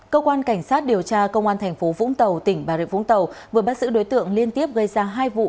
cơ quan cảnh sát điều tra công an thành phố vũng tàu tỉnh bà rịa vũng tàu vừa bắt giữ đối tượng liên tiếp gây ra hai vụ